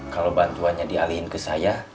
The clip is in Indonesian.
kalau bantuannya dialihin ke saya